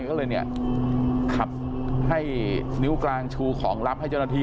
ก็เลยขับให้นิ้วกลางชู้ของรับให้จนาที